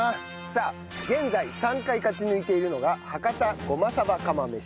さあ現在３回勝ち抜いているのが博多ごまさば釜飯。